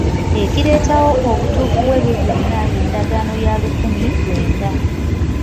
Ekireetawo obutuufu bw'ebyo byonna y'endagaano ya lukumi lwenda.